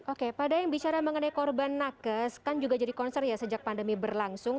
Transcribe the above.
oke pak daeng bicara mengenai korban nakes kan juga jadi concern ya sejak pandemi berlangsung